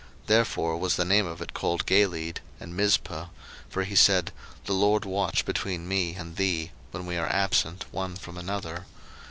Therefore was the name of it called Galeed; 01:031:049 And Mizpah; for he said, The LORD watch between me and thee, when we are absent one from another.